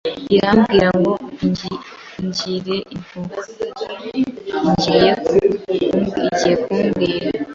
irambwira ngo ingiriye impuhwe igiye kumbwira